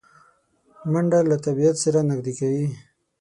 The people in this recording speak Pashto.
منډه له طبیعت سره نږدې کوي